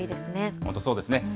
本当、そうですね。